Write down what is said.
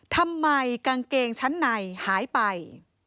กางเกงชั้นในหายไป